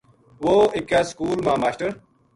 وُہ اِکے سکول ما ماشٹر